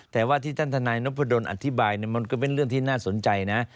แต่ว่าที่ท่านทนายนพดลอธิบายมันก็เป็นเรื่องที่น่าสนใจนะ